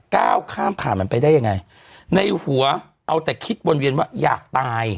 ก้าวข้ามผ่านมันไปได้ยังไงในหัวเอาแต่คิดวนเวียนว่าอยากตาย